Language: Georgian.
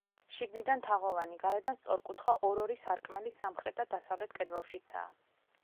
შიგნიდან თაღოვანი, გარედან სწორკუთხა ორ-ორი სარკმელი სამხრეთ და დასავლეთ კედლებშიცაა.